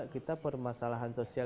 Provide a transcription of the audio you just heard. kita permasalahan sosial